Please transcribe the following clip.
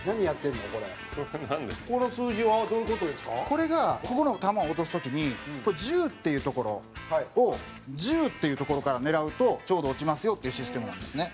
これがここの球を落とす時に１０っていう所を１０っていう所から狙うとちょうど落ちますよっていうシステムなんですね。